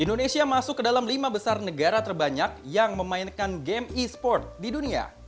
indonesia masuk ke dalam lima besar negara terbanyak yang memainkan game e sport di dunia